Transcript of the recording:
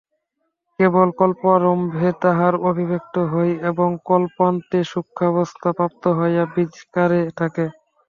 কেবল কল্পারম্ভে তাহারা অভিব্যক্ত হয়, এবং কল্পান্তে সূক্ষ্মাবস্থা প্রাপ্ত হইয়া বীজাকারে থাকে।